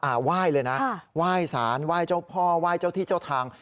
ไหว้เลยนะไหว้สารไหว้เจ้าพ่อไหว้เจ้าที่เจ้าทาง